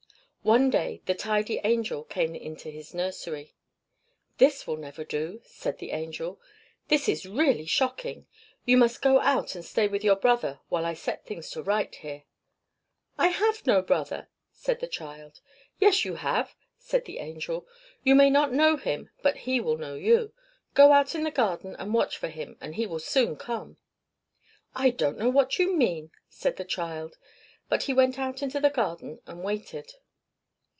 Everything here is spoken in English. One day the Tidy Angel came into his nursery. "This will never do!" said the Angel. "This is really shocking. You must go out and stay with your brother while I set things to rights here." "I have no brother!" said the child. "Yes, you have!" said the Angel. "You may not know him, but he will know you. Go out in the garden and watch for him, and he will soon come." "I don't know what you mean!" said the child; but he went out into the garden and waited.